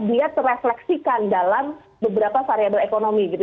dia terefleksikan dalam beberapa variable ekonomi gitu